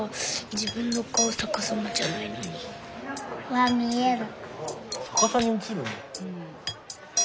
わっ見える。